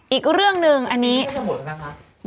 อีกเรื่องนึงอันนี้ปีนี้จะหมดแล้วครับ